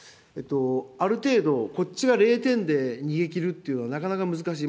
ある程度、こっちが０点で逃げきるっていうのはなかなか難しい。